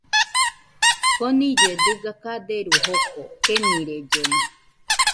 Konillɨe dɨga kaderu joko, kenirellena.